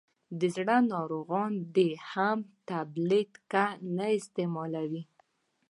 دزړه ناروغان دي هم ټابلیټ کا نه استعمالوي.